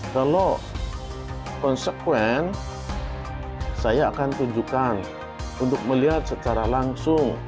kalau konsekuen saya akan tunjukkan untuk melihat secara langsung